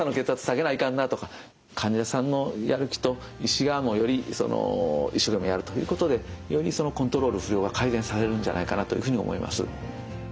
患者さんのやる気と医師側もより一生懸命やるということでよりそのコントロール不良が改善されるんじゃないかなというふうに思います。